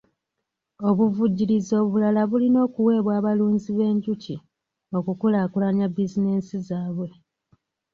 Obuvujjirizi obulala bulina okweweebwa abalunzi b'enjuki okukulaakulanya bizinensi zaabwe.